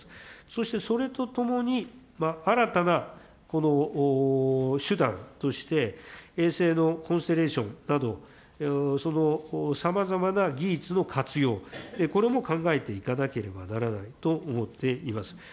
そしてそれとともに、新たなこの手段として、衛星のコンステレーションなど、そのさまざまな技術の活用、これも考えていかなければならないと思っています。